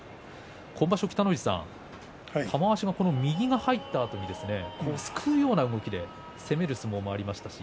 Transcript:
北の富士さん、玉鷲が右が入ったあと、すくうような動きで攻める相撲もありますし